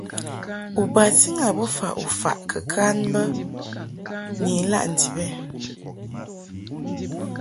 U bati ŋgâ bofa u faʼ kɨ kan bə ni ilaʼ ndib ɛ ?